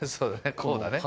こうだね。